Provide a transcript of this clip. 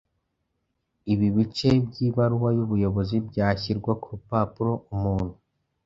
Ibi bice by’ibaruwa y’ubuyobozi byashyirwa ku rupapuro umuntu